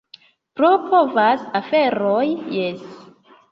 Pro povaj aferoj, jes.